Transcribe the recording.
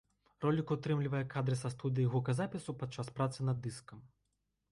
Ролік утрымлівае кадры са студыі гуказапісу падчас працы над дыскам.